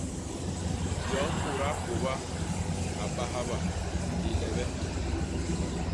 Yom mudaa kôba a ba haba lilebe.